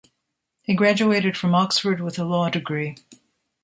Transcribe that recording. He graduated from Oxford with a law degree.